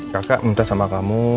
kakak minta sama kamu